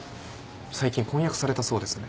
最近婚約されたそうですね。